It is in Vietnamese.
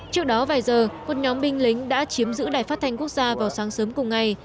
trước đó vài giờ một nhóm binh lính đã chiếm giữ đài phát thanh quốc gia vào sáng sớm cùng ngày